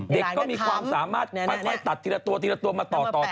เด็กก็มีความสามารถค่อยตัดทีละตัวมาต่อ